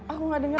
aku gak denger